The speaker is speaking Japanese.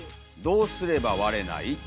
どうすれば割れない？」。